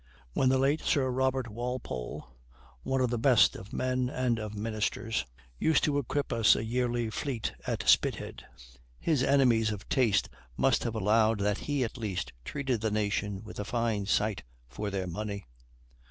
When the late Sir Robert Walpole, one of the best of men and of ministers, used to equip us a yearly fleet at Spithead, his enemies of taste must have allowed that he, at least, treated the nation with a fine sight for their money.